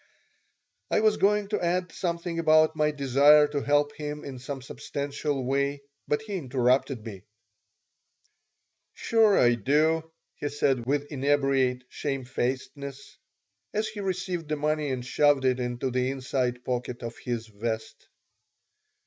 I was going to add something about my desire to help him in some substantial way, but he interrupted me "Sure, I do," he said, with inebriate shamefacedness, as he received the money and shoved it into the inside pocket of his vest.